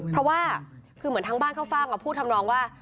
เพราะว่าทั้งบ้านข้าวฟ่างพูดตำรวจว่า